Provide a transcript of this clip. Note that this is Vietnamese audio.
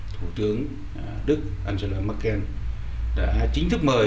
thủ tướng đức angela merkel đã chính thức mời